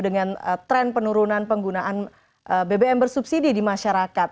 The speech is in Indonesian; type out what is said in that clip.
dengan tren penurunan penggunaan bbm bersubsidi di masyarakat